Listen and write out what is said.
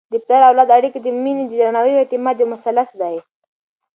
د پلار او اولاد اړیکه د مینې، درناوي او اعتماد یو مثلث دی.